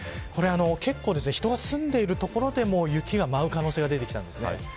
結構、人が住んでいる所でも雪が舞う可能性が出てきたんですね。